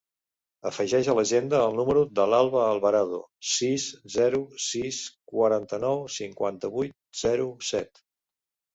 Afegeix a l'agenda el número de l'Albà Alvarado: sis, zero, sis, quaranta-nou, cinquanta-vuit, zero, set.